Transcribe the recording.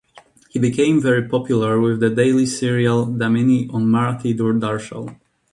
He became very popular with the daily serial Damini on Marathi Doordarshan.